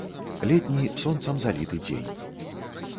Летні, сонцам заліты дзень.